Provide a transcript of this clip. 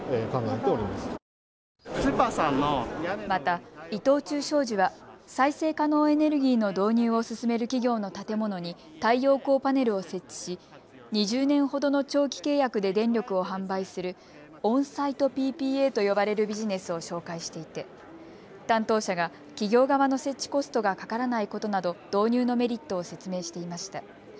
また伊藤忠商事は再生可能エネルギーの導入を進める企業の建物に太陽光パネルを設置し２０年ほどの長期契約で電力を販売するオンサイトＰＰＡと呼ばれるビジネスを紹介していて担当者が企業側の設置コストがかからないことなど導入のメリットを説明していました。